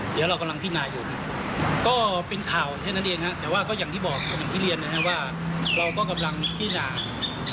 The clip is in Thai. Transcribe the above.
เดี๋ยวกำลังพิจารณาอยู่ก็เป็นข่าวเท่านั้นเองแต่ว่าก็อย่างที่บอกเหมือนที่เรียนว่าเรากำลังพิจารณา